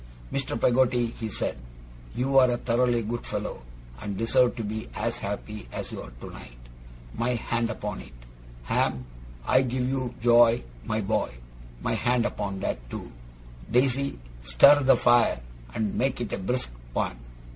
'Mr. Peggotty,' he said, 'you are a thoroughly good fellow, and deserve to be as happy as you are tonight. My hand upon it! Ham, I give you joy, my boy. My hand upon that, too! Daisy, stir the fire, and make it a brisk one!